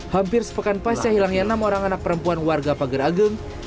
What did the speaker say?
hampir sepekan pasca hilangnya enam orang anak perempuan warga pager ageng